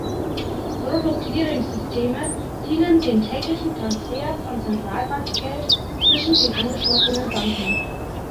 Brutto-Clearingsysteme dienen dem täglichen Transfer von Zentralbankgeld zwischen den angeschlossenen Banken.